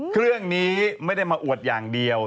เครื่องนี้ไม่ได้มาอวดอย่างเดียว